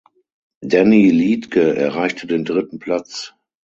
Danny Liedtke erreichte den dritten Platz.